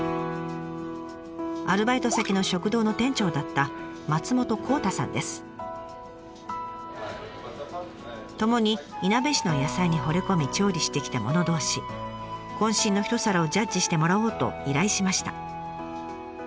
アルバイト先の食堂の店長だったともにいなべ市の野菜にほれ込み調理してきた者同士渾身の一皿をジャッジしてもらおうと依頼しました。